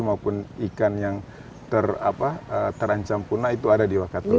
maupun ikan yang terancam punah itu ada di wakato